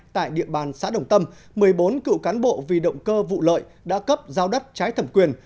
tại địa bàn xã đồng tâm một mươi bốn cựu cán bộ vì động cơ vụ lợi đã cấp giao đất trái thẩm quyền